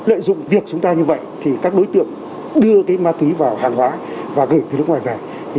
lợi dụng việc chúng ta như vậy thì các đối tượng đưa ma túy vào hàng hóa và gửi từ nước ngoài về